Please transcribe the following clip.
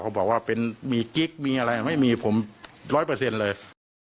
บอกว่าเป็นมีกิ๊กมีอะไรไม่มีผมร้อยเปอร์เซ็นต์เลย